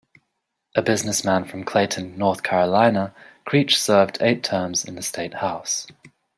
A businessman from Clayton, North Carolina, Creech served eight terms in the state House.